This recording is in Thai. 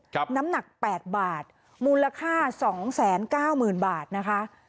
น้ำหนักแปดบาทมูลค่าสองแสนเก้าหมื่นบาทนะคะ